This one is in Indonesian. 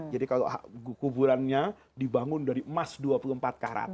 jadi kalau kuburannya dibangun dari emas dua puluh empat karat